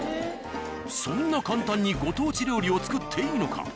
そんな簡単にご当地料理を作っていいのか。